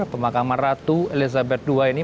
pemakaman ratu elizabeth ii ini